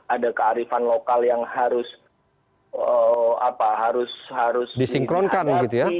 ada kearifan lokal yang harus disinkronkan gitu ya